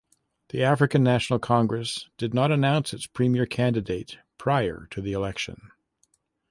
The African National Congress did not announce its premier candidate prior to the election.